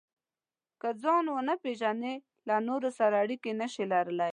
که ځان ونه پېژنئ، له نورو سره اړیکې نشئ لرلای.